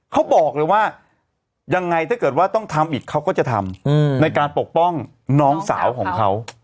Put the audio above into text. เขาบอกเลยว่ายังไงถ้าเกิดว่าต้องทำอีกเขาก็จะทำในการปกป้องน้องสาวของเขา